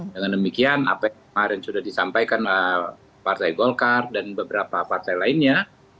dengan demikian apa yang kemarin sudah disampaikan partai golkar dan beberapa partai lainnya